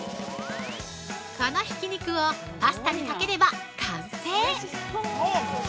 ◆このひき肉をパスタにかければ、完成。